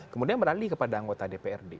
kemudian beralih kepada anggota dprd